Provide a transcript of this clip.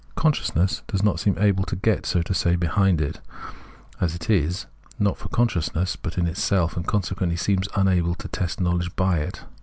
Consciousness does not seem able to get, so to say, behind it as it is, not for consciousness, but in itself, and consequently seems also unable to test know ledge by it.